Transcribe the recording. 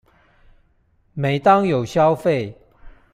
每當有消費